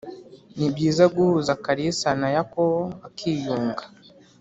nibyiza guhuza kalisa na yakobo bakiyunga